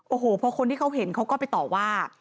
โอ้โหพอคนที่เขาเห็นเขาก็ไปต่อว่า